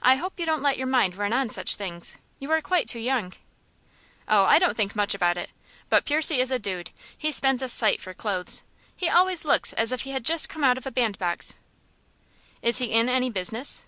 "I hope you don't let your mind run on such things. You are quite too young." "Oh, I don't think much about it. But Percy is a dude. He spends a sight for clothes. He always looks as if he had just come out of a bandbox." "Is he in any business?"